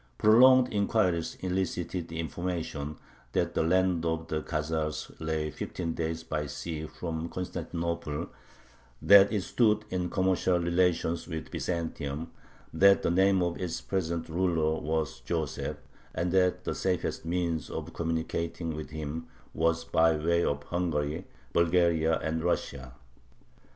Prolonged inquiries elicited the information that the land of the Khazars lay fifteen days by sea from Constantinople, that it stood in commercial relations with Byzantium, that the name of its present ruler was Joseph, and that the safest means of communicating with him was by way of Hungary, Bulgaria, and Russia.